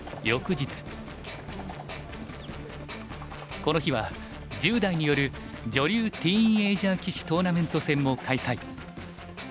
この日は１０代による女流ティーンエージャー棋士トーナメント戦も開催。